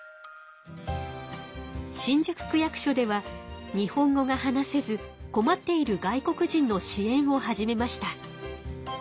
新宿区役所では日本語が話せず困っている外国人の支援を始めました。